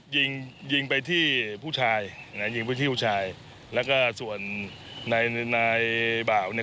ยิงยิงไปที่ผู้ชายยิงไปที่ผู้ชายแล้วก็ส่วนนายบ่าวเนี่ย